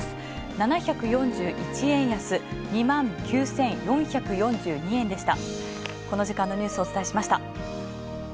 ７４１円安、２万９４４２円でした。